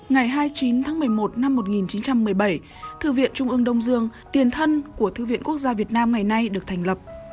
ngày hai mươi chín tháng một mươi một năm một nghìn chín trăm một mươi bảy thư viện trung ương đông dương tiền thân của thư viện quốc gia việt nam ngày nay được thành lập